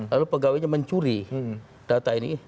lalu pegawainya mencuri data ini